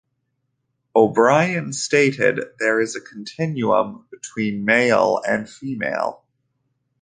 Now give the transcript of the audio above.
O'Brien stated, There is a continuum between male and female.